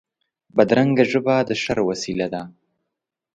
بدرنګه ژبه د شر وسیله ده